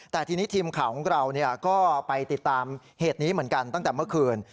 แต่ทีนี้ทีมข่าวของเราก็ไปติดตามเหตุนี้เหมือนกันตั้งแต่เมื่อคืน